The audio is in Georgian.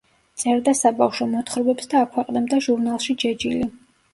წერდა საბავშვო მოთხრობებს და აქვეყნებდა ჟურნალში „ჯეჯილი“.